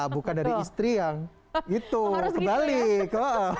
bukan dari istri yang itu sebalik